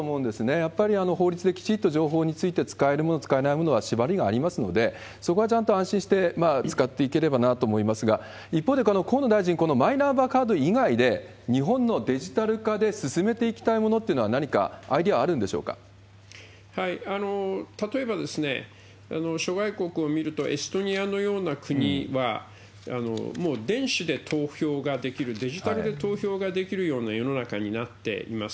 やっぱり法律できちっと情報について、使えるもの、使えないものは縛りがありますので、そこはちゃんと安心して使っていければなと思いますが、一方で、河野大臣、マイナンバーカード以外で、日本のデジタル化で進めていきたいものっていうのは何かアイデア、例えば、諸外国を見ると、エストニアのような国は、もう電子で投票ができる、デジタルで投票ができるような世の中になっています。